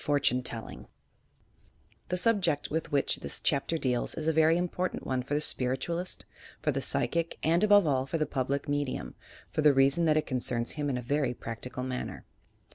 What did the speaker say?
FORTUNE TELLING The subject with which this chapter deals is a very im portant one for the Spiritualist, for the Psychic, and above all for the Public Medium, for the reason that it concerns him in a very practical manner.